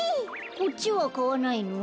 こっちはかわないの？